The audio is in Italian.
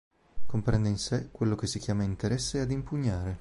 Comprende in sé quello che si chiama interesse ad impugnare.